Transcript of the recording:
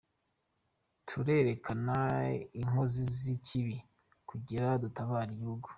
"Turerekana inkozi z'ikibi kugira dutabare igihugu.